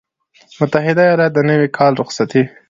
متحده ایالات - د نوي کال رخصتي